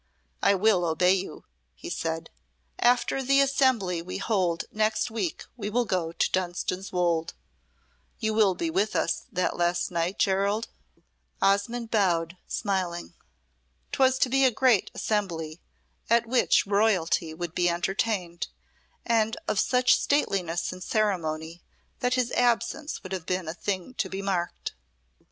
"I will obey you," he said; "after the assembly we hold next week we will go to Dunstan's Wolde. You will be with us that last night, Gerald?" Osmonde bowed, smiling. 'Twas to be a great assembly, at which Royalty would be entertained, and of such stateliness and ceremony that his absence would have been a thing to be marked.